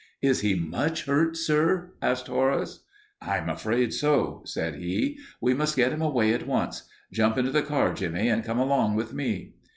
"Is he much hurt, sir?" asked Horace. "I'm afraid so," said he. "We must get him away at once. Jump into the car, Jimmie, and come along with me."